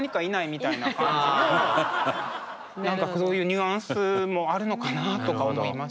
何かそういうニュアンスもあるのかなとか思いました。